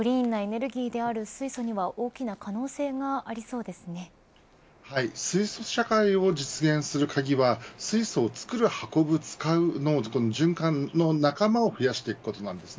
クリーンなエネルギーである水素には水素社会を実現する鍵は水素を作る、運ぶ、使うの循環の仲間を増やしていくことです。